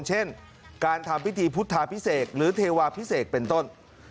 เช่นการทำพิธีพุทธาพิเศษหรือเทวาพิเศษเป็นต้น